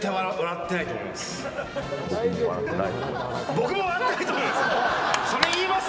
僕も笑ってないと思います？